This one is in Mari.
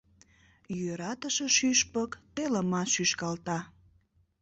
ЙӦРАТЫШЕ ШӰШПЫК ТЕЛЫМАТ ШӰШКАЛТА